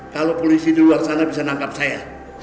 kalau polisi di luar sana bisa nangkap saya